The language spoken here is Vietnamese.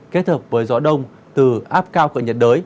kết hợp với gió đông từ áp cao khởi nhiệt đới